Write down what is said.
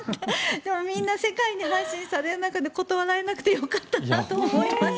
でもみんな世界に配信される中で断られなくてよかったなと思います。